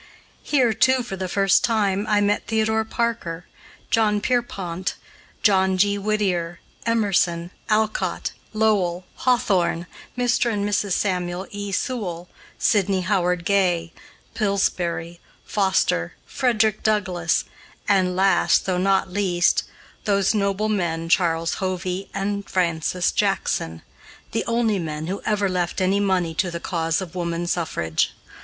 Here, too, for the first time, I met Theodore Parker, John Pierpont, John G. Whittier, Emerson, Alcott, Lowell, Hawthorne, Mr. and Mrs. Samuel E. Sewall, Sidney Howard Gay, Pillsbury, Foster, Frederick Douglass, and last though not least, those noble men, Charles Hovey and Francis Jackson, the only men who ever left any money to the cause of woman suffrage.